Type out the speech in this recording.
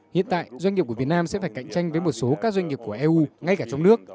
hiện tại doanh nghiệp của việt nam sẽ phải cạnh tranh với một số các doanh nghiệp của eu ngay cả trong nước